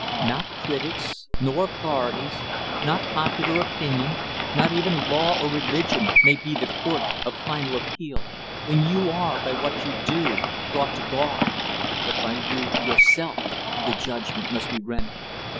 Not critics, nor authorities, not popular opinion, not even law or religion, must be the court of final appeal when you are, by what you do, brought to bar; but by you, yourself, the judgment must be rendered.